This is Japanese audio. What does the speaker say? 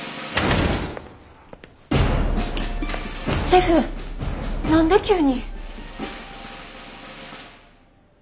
シェフ何で急に？